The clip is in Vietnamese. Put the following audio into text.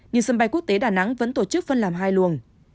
nhưng sân bay quốc tế đà nẵng vẫn tổ chức phân làm hai luồng